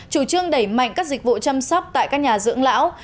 chủ trương đẩy mạnh các dịch vụ chăm sóc tại các nhà dưỡng lão